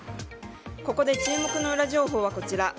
ここで注目のウラ情報はこちら。